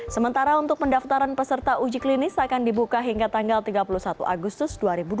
sementara untuk pendaftaran peserta uji klinis akan dibuka hingga tanggal tiga puluh satu agustus dua ribu dua puluh